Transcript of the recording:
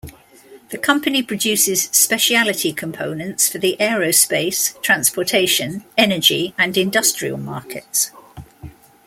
The company produces specialty components for the aerospace, transportation, energy and industrial markets.